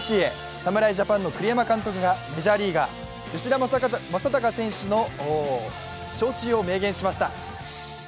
侍ジャパンの栗山監督がメジャーリーガー・吉田正尚選手の招集を明言しました。